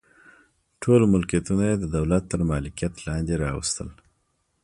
ټول ملکیتونه یې د دولت تر مالکیت لاندې راوستل.